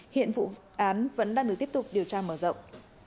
hiện vụ án vẫn đang được tiếp tục điều tra mở rộng